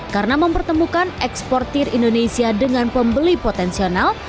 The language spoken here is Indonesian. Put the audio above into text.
karena mempertemukan eksportir indonesia dengan pembeli potensional